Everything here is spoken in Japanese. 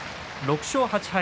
６勝８敗。